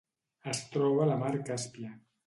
Es troba a la Mar Càspia.